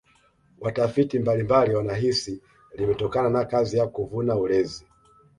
watafiti mbalimbali wanahisi limetokana na kazi ya kuvuna ulezi